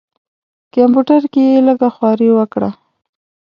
کمپیوټر کې یې لږه خواري وکړه.